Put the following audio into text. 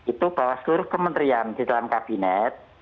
itu bahwa seluruh kementerian di dalam kabinet